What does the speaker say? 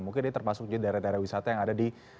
mungkin ini termasuk juga daerah daerah wisata yang ada di